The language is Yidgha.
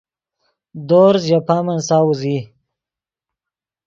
دورز ژے پامن ساؤز ای